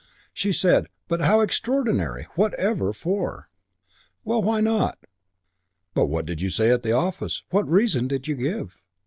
She said, "But how extraordinary! Whatever for?" "Well, why not?" "But what did you say at the office? What reason did you give?"